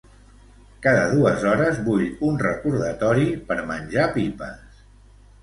Cada dues hores vull un recordatori per menjar pipes.